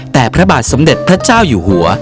แต่พระบาทสมเด็จพระเจ้าอยู่หัว